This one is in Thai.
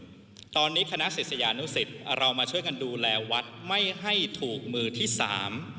ตอนนี้คณะศิษยานุสิตเรามาช่วยกันดูแลวัดไม่ให้ถูกมือที่สาม